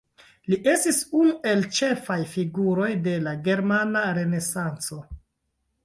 Li estis unu el ĉefaj figuroj de la Germana Renesanco.